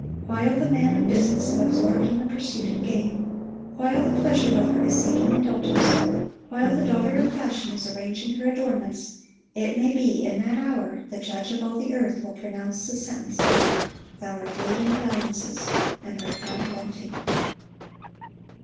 While the man of business is absorbed in the pursuit of gain, while the pleasure lover is seeking indulgence, while the daughter of fashion is arranging her adornments,—it may be in that hour the Judge of all the earth will pronounce the sentence, "Thou art weighed in the balances, and art found wanting."